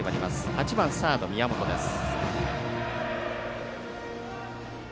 ８番サード、宮本です。